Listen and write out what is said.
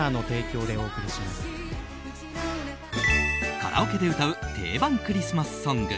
カラオケで歌う定番クリスマスソング。